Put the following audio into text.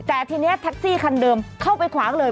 แต่ทีนี้แท็กซี่คันเดิมเข้าไปขวางเลย